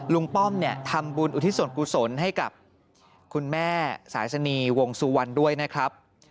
ป้อมเนี่ยทำบุญอุทิศส่วนกุศลให้กับคุณแม่สายสนีวงสุวรรณด้วยนะครับ